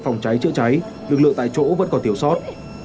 phòng cháy chữa cháy lực lượng tại chỗ vẫn còn thiếu sót